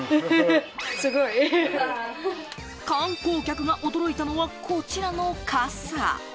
観光客が驚いたのがこちらの傘。